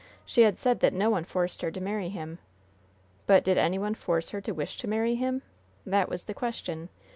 She had said that no one forced her to marry him. But did any one force her to wish to marry him? That was the question.